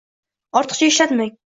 Ortiqcha ishlatmang